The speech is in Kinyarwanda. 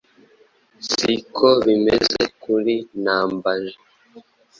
Si ko bimeze kuri Nambaje